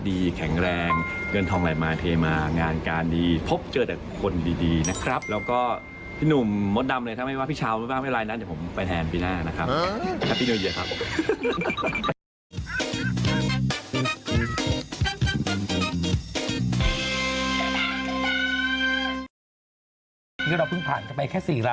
นี้เราเพิ่งผ่านไปแค่สี่ราศี